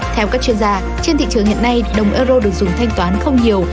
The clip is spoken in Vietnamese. theo các chuyên gia trên thị trường hiện nay đồng euro được dùng thanh toán không nhiều